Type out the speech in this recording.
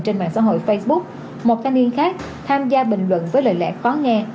trên mạng xã hội facebook một thanh niên khác tham gia bình luận với lời lẽ khó nghe